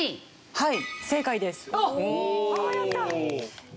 はい。